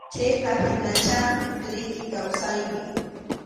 Chayqa hinachá riki kawsayniy.